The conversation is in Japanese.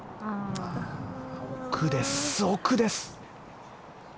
奥です、奥です。